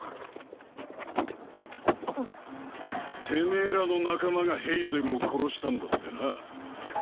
てめぇらの仲間がヘイゼルを殺したんだってな。